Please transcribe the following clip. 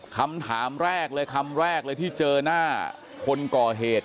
คำถามแรกเลยคำแรกเลยที่เจอหน้าคนก่อเหตุ